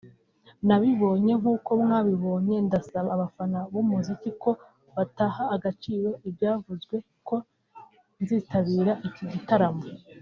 nabibonye nkuko mwabibonye ndasaba abafana b’umuziki ko bataha agaciro ibyavuzwe ko nzitabira iki gitaramo